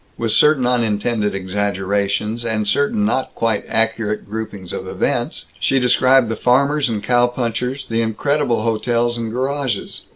With certain unintended exaggerations, and certain not quite accurate groupings of events, she described the farmers and cowpunchers, the incredible hotels and garages.